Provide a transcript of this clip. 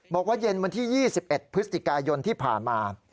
เย็นวันที่๒๑พฤศจิกายนที่ผ่านมา